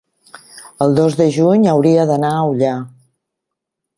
el dos de juny hauria d'anar a Ullà.